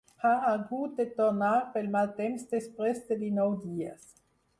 Ha hagut de tornar pel mal temps després de dinou dies.